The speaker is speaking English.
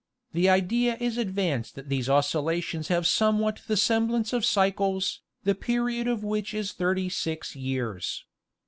Theidea is advanced that these oscillations have somewhat the semblance of cycles, the period of which is thirty six years.